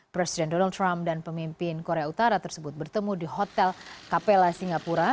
presiden donald trump dan pemimpin korea utara tersebut bertemu di hotel capella singapura